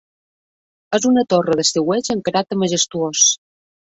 És una torre d'estiueig amb caràcter majestuós.